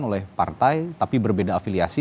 oleh partai tapi berbeda afiliasi